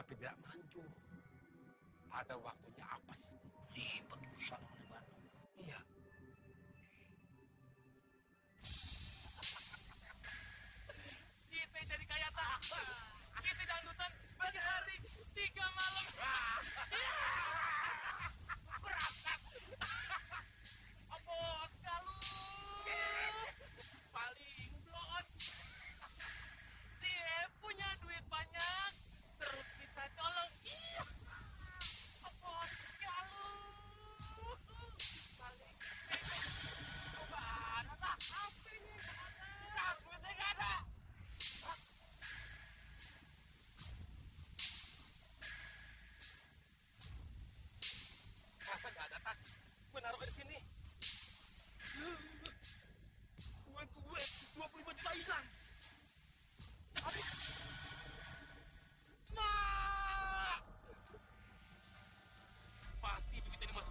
bisa untuk mengobati segala macam penyakit bisa untuk balik bisa juga untuk menjaga dirimu